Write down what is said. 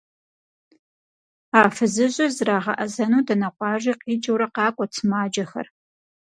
А фызыжьыр зрагъэӏэзэну дэнэ къуажи къикӏыурэ къакӏуэт сымаджэхэр.